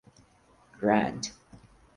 Grant.